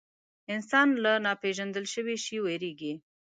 انسان له ناپېژندل شوي شي وېرېږي.